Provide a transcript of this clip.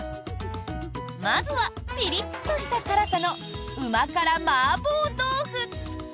まずは、ピリッとした辛さの旨辛麻婆豆腐。